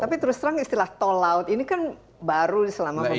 tapi terus terang istilah tol laut ini kan baru selama pandemi